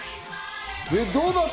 どうだった？